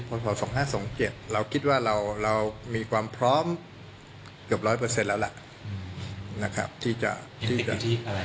เราก็คิดว่าเรามีความพร้อมเกือบร้อยเปอร์เซ็นต์แล้วแหละ